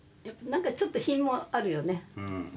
なんかちょっと品もあるよね。